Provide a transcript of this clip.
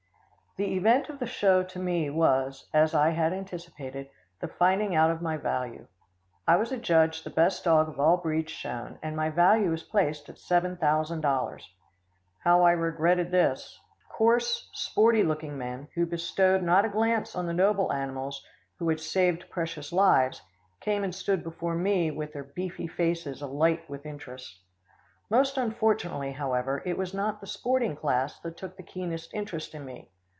The event of the show to me was, as I had anticipated, the finding out of my value. I was adjudged the best dog of all breeds shown, and my value was placed at seven thousand dollars. How I regretted this. Coarse, sporty looking men, who bestowed not a glance on the noble animals who had saved precious lives, came and stood before me with their beefy faces alight with interest. Most unfortunately, however, it was not the sporting class that took the keenest interest in me.